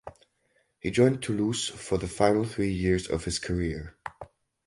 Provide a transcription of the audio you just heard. He joined Toulouse for the final three years of his career.